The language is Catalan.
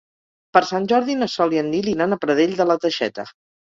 Per Sant Jordi na Sol i en Nil iran a Pradell de la Teixeta.